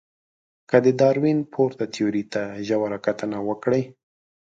که د داروېن پورته تیوري ته ژوره کتنه وکړئ.